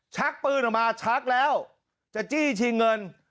ชักปืนออกมาชักแล้วจะจี้ชิงเงิน